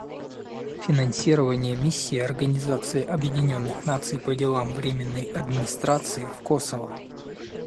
Финансирование Миссии Организации Объединенных Наций по делам временной администрации в Косово.